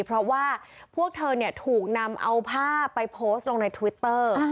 เพราะว่าพวกเธอถูกนำเอาภาพไปโพสต์ลงในทวิตเตอร์